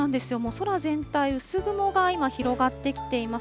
空全体、薄雲が今、広がってきています。